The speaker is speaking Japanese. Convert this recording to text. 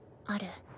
ある。